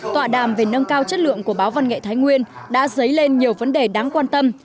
tọa đàm về nâng cao chất lượng của báo văn nghệ thái nguyên đã dấy lên nhiều vấn đề đáng quan tâm